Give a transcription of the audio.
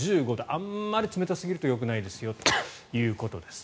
あまり冷たすぎるとよくないですよということです。